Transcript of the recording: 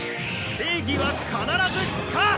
正義は必ず勝つ！